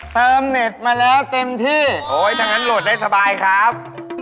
เน็ตมาแล้วเต็มที่โอ้ยถ้างั้นโหลดได้สบายครับ